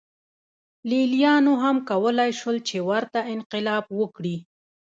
لېلیانو هم کولای شول چې ورته انقلاب وکړي